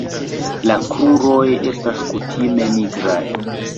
La kruroj estas kutime nigraj.